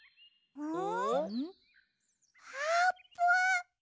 うん！